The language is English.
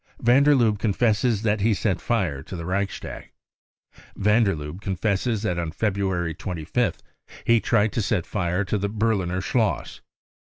Van der Lubbe confesses that he set fire to the Reichstag. Van der Lubbe confesses that on February 25th he tried to set fire to the Berliner Schloss.